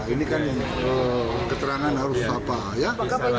ini kan keterangan harus apa ya